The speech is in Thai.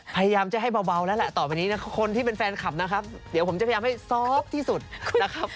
พยายามจะให้เบาแล้วแหละต่อไปนี้นะคนที่เป็นแฟนคลับนะครับเดี๋ยวผมจะพยายามให้ซอฟต์ที่สุดนะครับ